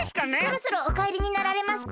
そろそろおかえりになられますか？